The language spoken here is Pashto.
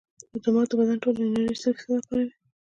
دماغ د بدن ټولې انرژي شل فیصده کاروي.